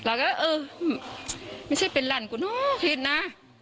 เราก็เออไม่ใช่เป็นหลานกูเนอะคิดนะ